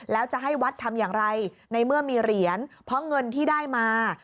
แล้วจะให้วัดทำอย่างไรในเมื่อมีเหรียญเพราะเงินที่ได้มา